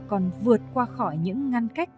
còn vượt qua khỏi những ngăn cách